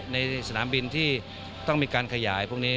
ในสนามบินที่ต้องมีการขยายพวกนี้